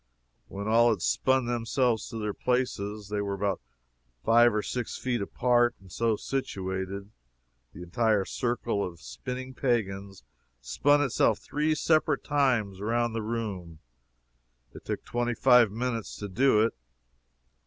When all had spun themselves to their places, they were about five or six feet apart and so situated, the entire circle of spinning pagans spun itself three separate times around the room. It took twenty five minutes to do it.